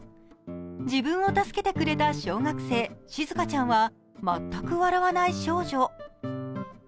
自分を助けてくれた小学生しずかちゃんは全く笑わない少女。